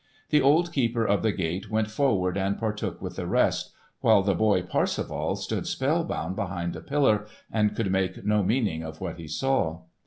The old keeper of the gate went forward and partook with the rest, while the boy Parsifal stood spellbound behind a pillar and could make no meaning of what he saw.